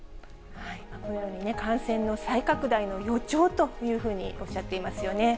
このように感染の再拡大の予兆というふうにおっしゃっていますよね。